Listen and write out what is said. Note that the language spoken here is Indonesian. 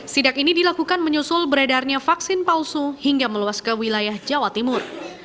sidak ini dilakukan menyusul beredarnya vaksin palsu hingga meluas ke wilayah jawa timur